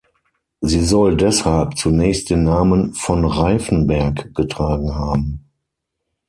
Sie soll deshalb zunächst den Namen "von Reifenberg" getragen haben.